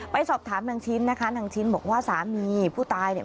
ไปสอบถามนางชิ้นนะคะนางชิ้นบอกว่าสามีผู้ตายเนี่ย